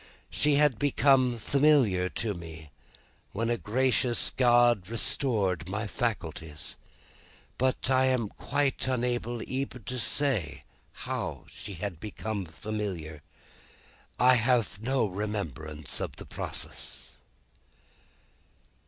She had become familiar to me, when a gracious God restored my faculties; but, I am quite unable even to say how she had become familiar. I have no remembrance of the process."